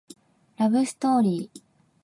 ラブストーリー